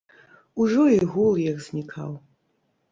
Ужо і гул іх знікаў.